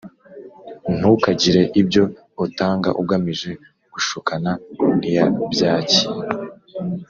Ntukagire ibyo utanga ugamije gushukana, ntiyabyakira,